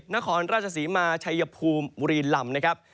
นครราชสีมาชัยภูมิบุรีลำ